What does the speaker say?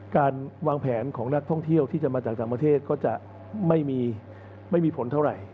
การวางแผนของนักท่องเที่ยวที่จะมาจากต่างประเทศก็จะไม่มีผลเท่าไหร่